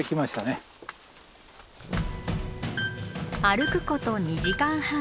歩くこと２時間半。